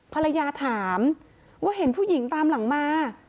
ภรรยาถามว่าเห็นผู้หญิงตามหลังมา